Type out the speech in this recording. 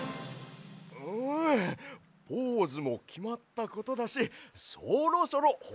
うんポーズもきまったことだしそろそろほんのはなしを。